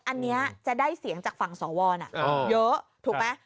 อันนี้จะได้เสียงจากฝั่งสวเยอะถูกไหม